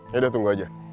yaudah tunggu aja